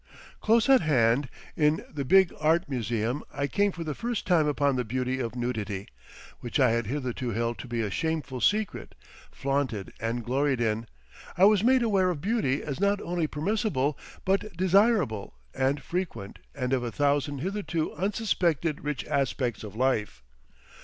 Close at hand in the big art museum I came for the first time upon the beauty of nudity, which I had hitherto held to be a shameful secret, flaunted and gloried in; I was made aware of beauty as not only permissible, but desirable and frequent and of a thousand hitherto unsuspected rich aspects of life.